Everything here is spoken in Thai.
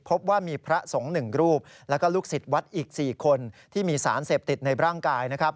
พบว่ามีพระสงฆ์๑รูปแล้วก็ลูกศิษย์วัดอีก๔คนที่มีสารเสพติดในร่างกายนะครับ